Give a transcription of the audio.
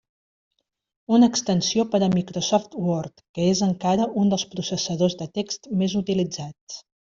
Una extensió per a Microsoft Word, que és encara un dels processadors de text més utilitzats.